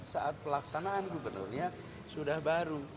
saat pelaksanaan gubernurnya sudah baru